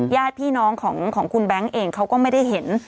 ญาติพี่น้องของคุณแบงค์เองเขาก็ไม่ได้เห็น